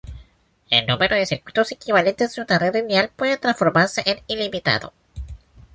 El número de circuitos equivalentes que una red lineal puede transformarse es ilimitado.